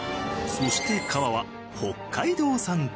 そして皮は北海道産小麦。